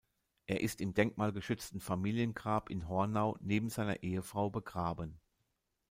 Er ist im denkmalgeschützten Familiengrab in Hornau neben seiner Ehefrau begraben.